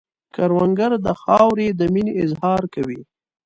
کروندګر د خاورې د مینې اظهار کوي